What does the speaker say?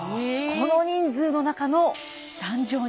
この人数の中の壇上に。